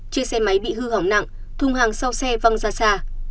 chiếc xe máy bị hư hỏng nặng thung hàng sau xe văng ra xa